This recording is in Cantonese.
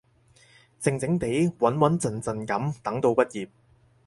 靜靜哋，穩穩陣陣噉等到畢業